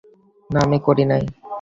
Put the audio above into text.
না আমি করি নাই।